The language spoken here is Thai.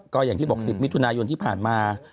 ก็อย่างที่บอก๑๐มิถุนายนที่ผ่านมา